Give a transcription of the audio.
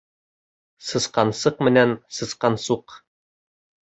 СЫСҠАНСЫҠ МЕНӘН СЫСҠАНСУҠ